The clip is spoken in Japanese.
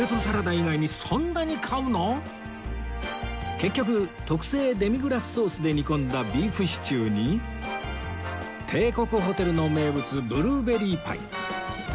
結局特製デミグラスソースで煮込んだビーフシチューに帝国ホテルの名物ブルーベリーパイ